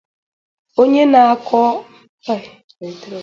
Onye na-akọ ọrụ kwèsìkwàrà ịdị na-akpa ókè ala nke ọma